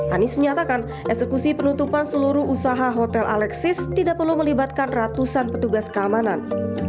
anies menyatakan eksekusi penutupan seluruh usaha hotel alexis tidak perlu melibatkan ratusan petugas keamanan